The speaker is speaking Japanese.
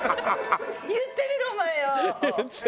言ってみろお前よ！